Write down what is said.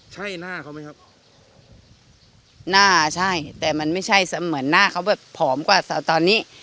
ใช่หน้าเขาไหมครับหน้าใช่แต่มันไม่ใช่เหมือนหน้าเขาแบบผอมกว่าตอนนี้